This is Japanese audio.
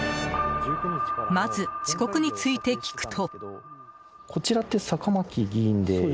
まず、遅刻について聞くと。